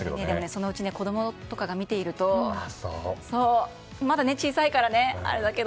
そのうち子供とかが見ているとまだね、そちらは小さいからあれだけど。